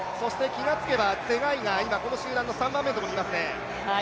気がつけば、ツェガイ選手がこの集団の３番目にいますね。